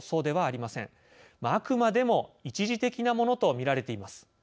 あくまでも一時的なものと見られています。